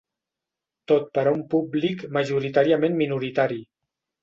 Tot per a un públic majoritàriament minoritari.